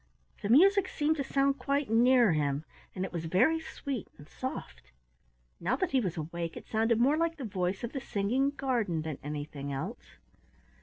The music seemed to sound quite near him, and it was very sweet and soft. Now that he was awake it sounded more like the voice of the singing garden than anything else.